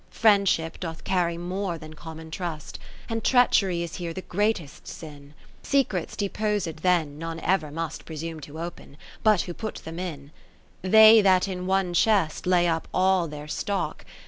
VII Friendship doth carry more than common trust, And Treachery is here the greatest sin. Secrets deposed then none ever must Presume to open, but who put them in. 40 They that in one chest lay up all their stock.